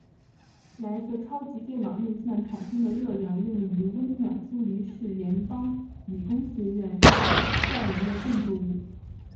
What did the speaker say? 来自超级电脑运算产生的热量用于温暖苏黎世联邦理工学院校园的建筑物。